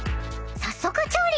［早速調理！